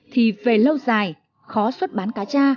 thì về lâu dài khó xuất bán cacha